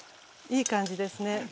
いい感じですね。